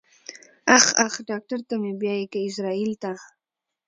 اخ اخ ډاکټر ته مې بيايې که ايزرايل ته.